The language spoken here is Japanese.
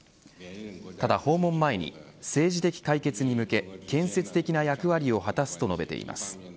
ただ、訪問前に政治的解決に向け建設的な役割を果たす、と述べています。